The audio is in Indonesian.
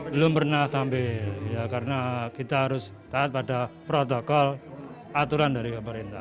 belum pernah tampil karena kita harus taat pada protokol aturan dari pemerintah